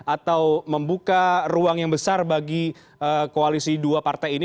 atau membuka ruang yang besar bagi koalisi dua partai ini